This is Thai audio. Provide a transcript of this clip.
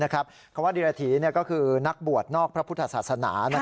คำว่าดิรฐีก็คือนักบวชนอกพระพุทธศาสนา